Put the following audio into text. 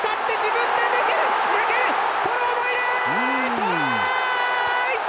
トライ！